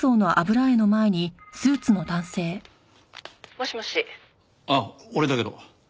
「もしもし」ああ俺だけど。